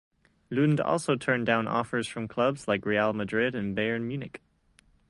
Lund also turned down offers from clubs like Real Madrid and Bayern Munich.